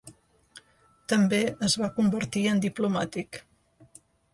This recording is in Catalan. També es va convertir en diplomàtic.